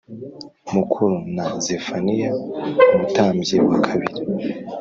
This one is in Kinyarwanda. mukuru na Zefaniya umutambyi wa kabiri